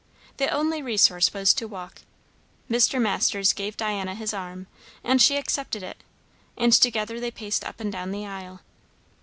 The only resource was to walk. Mr. Masters gave Diana his arm, and she accepted it, and together they paced up and down the aisle.